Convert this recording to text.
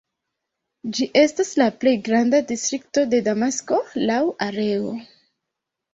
Ĝi estas la plej granda distrikto de Damasko laŭ areo.